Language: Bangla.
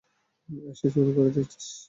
এসেই শুরু করে দিয়েছিস!